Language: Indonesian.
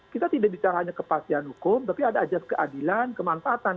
kita tidak bicara hanya kepastian hukum tapi ada ajas keadilan kemanfaatan